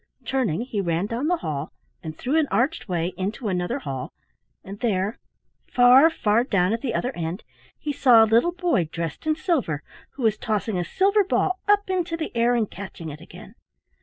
Turning he ran down the hall and through an arched way into another hall, and there, far, far down at the other end, he saw a little boy dressed in silver, who was tossing a silver ball up into the air and catching it again.